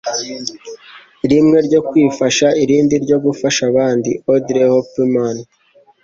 rimwe ryo kwifasha, irindi ryo gufasha abandi.” —Audrey Hepburn